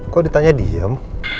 kok ditanya diem